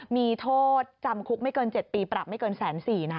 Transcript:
มีโทษจำคุกไม่เกิน๗ปีปรับไม่เกิน๑๔๐๐นะ